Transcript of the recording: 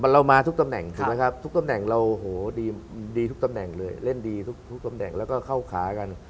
เรามาทุกตำแหน่งถูกไหมครับทุกตำแหน่งเราดีทุกตำแหน่งเลยเล่นดีทุกตำแหน่งแล้วก็เข้าขากัน